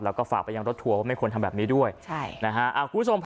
แล้วก็ฝากไปยังรถทัวร์ว่าไม่ควรทำแบบนี้ด้วยใช่นะฮะคุณผู้ชม